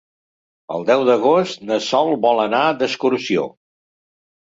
El deu d'agost na Sol vol anar d'excursió.